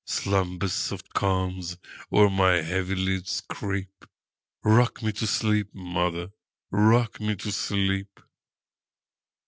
Slumber's soft calms o'er my heavy lids creep;—Rock me to sleep, mother,—rock me to sleep!